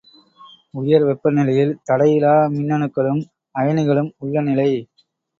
உயர் வெப்ப நிலையில் தடையிலா மின்னணுக்களும் அயனிகளும் உள்ள நிலை.